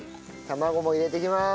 卵も入れていきます。